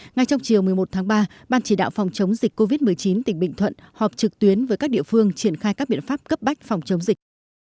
ngay trong chiều một mươi một tháng ba ban chỉ đạo phòng chống dịch covid một mươi chín tỉnh bình thuận họp trực tuyến với các địa phương triển khai các biện pháp cấp bách phòng chống dịch